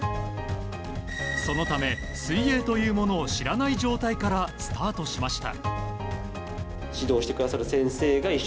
そのため水泳というものを知らない状態からスタートしました。